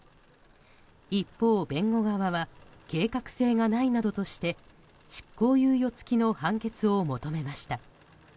一方、弁護側は計画性がないなどとして執行猶予付きの判決を求めました。